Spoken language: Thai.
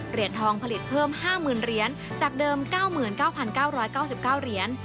เหรียญทองผลิตเพิ่ม๕๐๐๐เหรียญจากเดิม๙๙๙๙๙๙เหรียญ